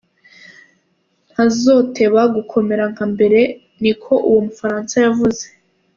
"Ntazoteba gukomera nka mbere," ni ko uwo mufaransa yavuze.